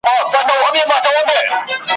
پر کشپ باندي شېبې نه تېرېدلې ,